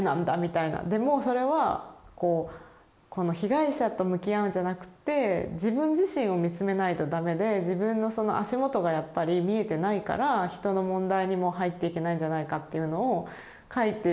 でもそれはこの被害者と向き合うんじゃなくて自分自身を見つめないと駄目で自分のその足元がやっぱり見えてないから人の問題にも入っていけないんじゃないかっていうのを書いてる。